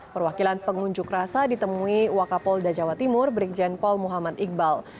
perwakilan pengunjuk rasa ditemui wakapolda jawa timur brigjen paul muhammad iqbal